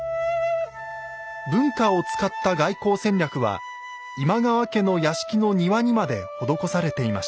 文化を使った外交戦略は今川家の屋敷の庭にまで施されていました。